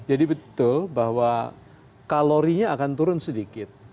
jadi betul bahwa kalorinya akan turun sedikit